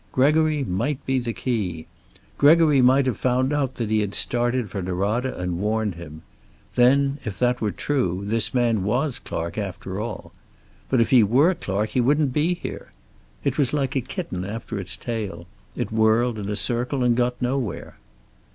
Gregory might be the key. Gregory might have found out that he had started for Norada and warned him. Then, if that were true, this man was Clark after all. But if he were Clark he wouldn't be there. It was like a kitten after its tail. It whirled in a circle and got nowhere.